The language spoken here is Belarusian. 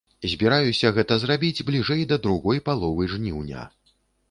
Збіраюся гэта зрабіць бліжэй да другой паловы жніўня.